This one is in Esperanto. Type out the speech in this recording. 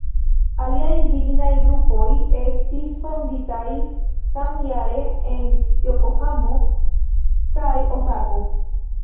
Aliaj virinaj grupoj estis fonditaj samjare en Jokohamo kaj Osako.